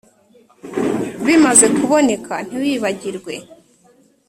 bimaze kuboneka ntiwibagirwe